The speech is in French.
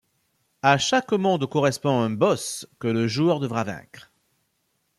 À chaque monde correspond un boss que le joueur devra vaincre.